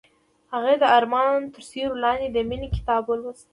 هغې د آرمان تر سیوري لاندې د مینې کتاب ولوست.